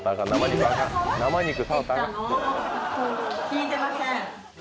聞いてません。